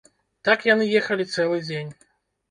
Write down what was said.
Так яны ехалі цэлы дзень.